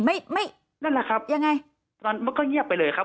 ไม่ยังไงนั่นแหละครับมันก็เงียบไปเลยครับ